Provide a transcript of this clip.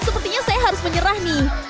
sepertinya saya harus menyerah nih